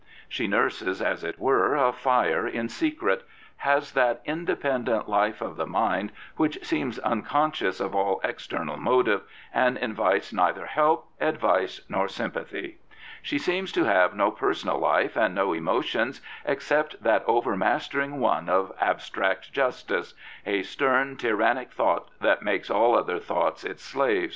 She nurses, as it were, a fire in secret, has that independent life of the mind which seems xmconscious of all ex ternal motive, and invites neither help, advice nor sympathy. She seems to have no personal life and no emotions except that overmastering one of abstract justice — a /Stem, tyrannic thought that makes ^All other thoughts its slave.